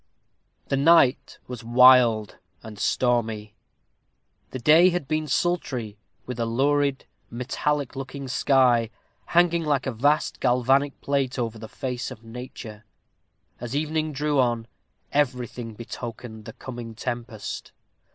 The night was wild and stormy. The day had been sultry, with a lurid, metallic looking sky, hanging like a vast galvanic plate over the face of nature. As evening drew on, everything betokened the coming tempest.